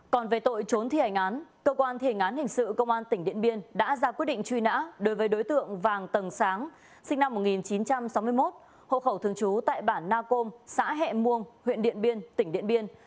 còn về tội trốn thi hành án cơ quan thi hành án hình sự công an tỉnh điện biên đã ra quyết định truy nã đối với đối tượng vàng tần sáng sinh năm một nghìn chín trăm sáu mươi một hộ khẩu thường trú tại bản na côm xã hẹ muông huyện điện biên tỉnh điện biên